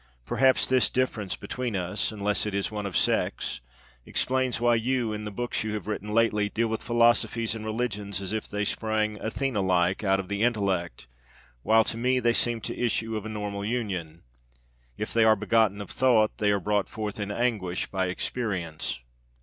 Perhaps this difference between us unless it is one of sex explains why you, in the books you have written lately, deal with philosophies and religions as if they sprang, Athena like, out of the intellect, while to me they seem the issue of a normal union: if they are begotten of thought they are brought forth in anguish by experience.